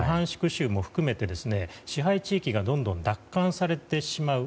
州も含めて支配地域がどんどん奪還されてしまう。